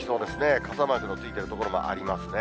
傘マークのついている所もありますね。